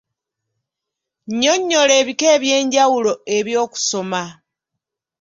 Nnyonnyola ebika eby'enjawulo eby'okusoma.